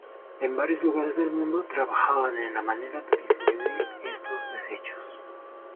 En varios lugares del mundo trabajaban en la manera de disminuir estos desechos.